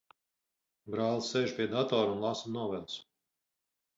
Brālis sēž pie datora un lasa noveles.